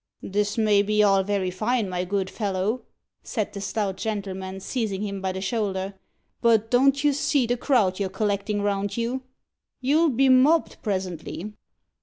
"This may be all very fine, my good fellow," said the stout gentleman, seizing him by the shoulder; "but don't you see the crowd you're collecting round you? You'll be mobbed presently."